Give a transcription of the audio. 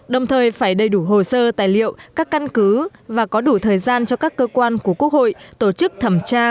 đồng thời phải đầy đủ hồ sơ tài liệu các căn cứ và có đủ thời gian cho các cơ quan của quốc hội tổ chức thẩm tra